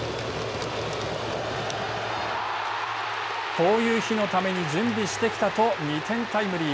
こういう日のために準備してきたと２点タイムリー。